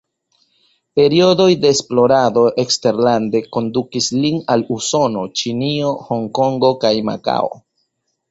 Periodoj de esplorado eksterlande kondukis lin al Usono, Ĉinio, Honkongo kaj Makao.